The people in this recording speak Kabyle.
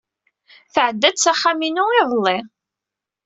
Tɛedda-d s axxam-inu iḍelli.